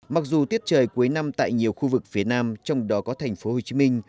mặc dù tiết trời cuối năm tại nhiều khu vực phía nam trong đó có thành phố hồ chí minh